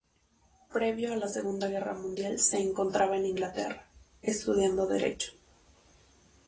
Previo a la Segunda Guerra Mundial se encontraba en Inglaterra, estudiando derecho.